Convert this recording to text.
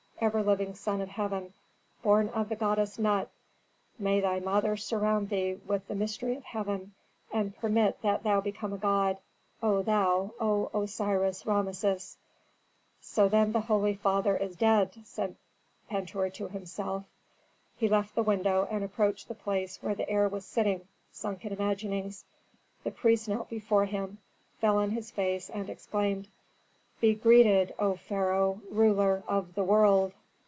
ever living son of heaven, born of the goddess Nut, may thy mother surround thee with the mystery of heaven, and permit that thou become a god, O thou, O Osiris Rameses." Tomb inscriptions. "So then the holy father is dead," said Pentuer to himself. He left the window and approached the place where the heir was sitting, sunk in imaginings. The priest knelt before him, fell on his face, and exclaimed: "Be greeted, O pharaoh, ruler of the world!"